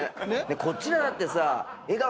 こっちだってさ。